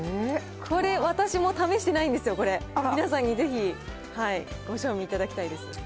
これ、私も試してないんですよ、これ、皆さんにぜひ、ご賞味いただきたいです。